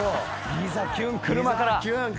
ギザキュン車から。